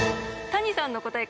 谷さんの答え